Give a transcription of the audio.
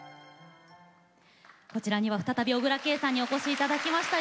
こちらには再び小椋佳さんにお越しいただきました。